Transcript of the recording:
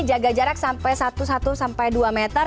jaga jarak sampai satu dua meter